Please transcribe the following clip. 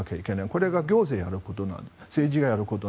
これは行政がやること政治がやること。